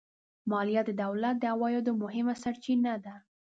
مالیه د دولت د عوایدو مهمه سرچینه ده